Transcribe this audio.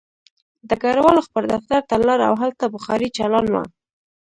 ډګروال خپل دفتر ته لاړ او هلته بخاري چالان وه